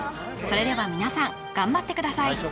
それでは皆さん頑張ってください